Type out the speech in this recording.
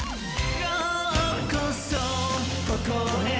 「ようこそここへ」